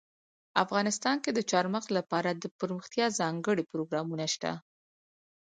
افغانستان کې د چار مغز لپاره دپرمختیا ځانګړي پروګرامونه شته.